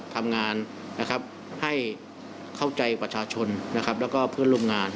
ทำงานให้เข้าใจประชาชนและเพื่อนร่วมงาน